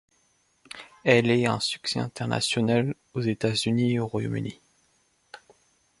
Elle est un succès international aux États-Unis et au Royaume-Uni.